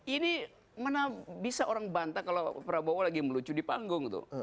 ini mana bisa orang bantah kalau prabowo lagi melucu di panggung tuh